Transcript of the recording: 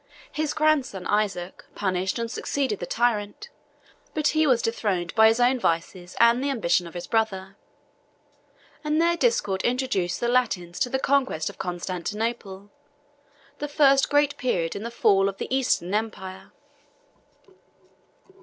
His grandson Isaac punished and succeeded the tyrant; but he was dethroned by his own vices, and the ambition of his brother; and their discord introduced the Latins to the conquest of Constantinople, the first great period in the fall of the Eastern empire.